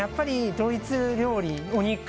ドイツ料理、お肉